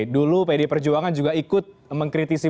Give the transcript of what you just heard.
dulu pd perjuangan juga ikut mengkritisi